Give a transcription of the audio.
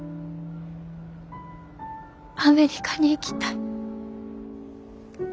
アメリカに行きたい。